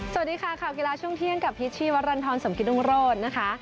สวัสดีค่ะข่าวกีฬาช่วงเที่ยงกับพิษชีวรรณฑรสมกิตรุงโรธนะคะ